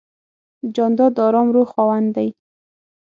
جانداد د آرام روح خاوند دی.